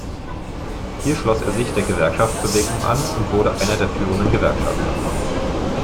Hier schloss er sich der Gewerkschaftsbewegung an und wurde einer der führenden Gewerkschafter.